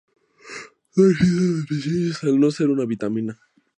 No existen deficiencias al no ser una vitamina.